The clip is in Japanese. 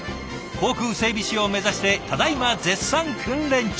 航空整備士を目指してただいま絶賛訓練中。